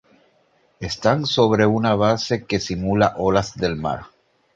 Están sobre una base que simula olas del mar.